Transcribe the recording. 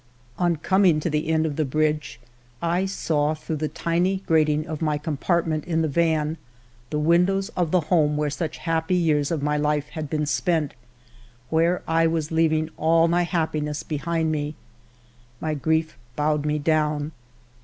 On coming to the end 52 FIVE YEARS OF MY LIFE of the bridge, I saw through the tiny grating of my compartment in the van the windows of the home where such happy years of my Hfe had been spent, where I was leaving all my happiness behind me. My grief bowed me down.